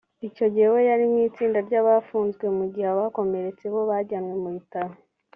Icyo gihe we yari mu itsinda ry’abafunzwe mu gihe abakomeretse bo bajyanwe mu bitaro